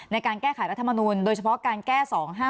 ในการแก้ไขรัฐมนูลโดยเฉพาะการแก้๒๕๖